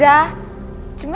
cuma nama panjangnya